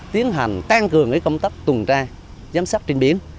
tiến hành tăng cường công tác tùng tra giám sát trình biến